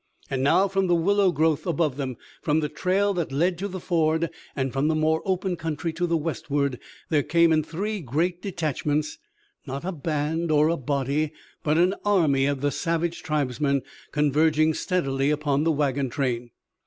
And now, from the willow growth above them, from the trail that led to the ford and from the more open country to the westward there came, in three great detachments, not a band or a body, but an army of the savage tribesmen, converging steadily upon the wagon train.